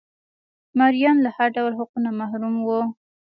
مریان له هر ډول حقونو محروم وو.